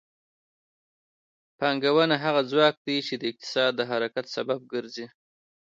پانګونه هغه ځواک دی چې د اقتصاد د حرکت سبب ګرځي.